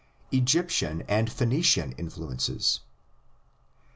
EGYPTIAN AND PHOENICIAN INFLUENCES.